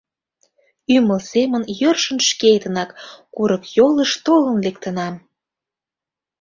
Ӱмыл семын йӧршын шкетынак курыкйолыш толын лектынам.